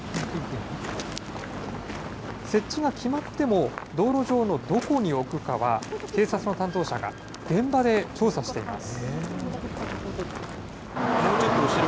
設置が決まっても、道路上のどこに置くかは、警察の担当者が現場で調査しています。